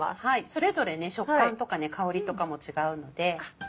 それぞれね食感とか香りとかも違うので。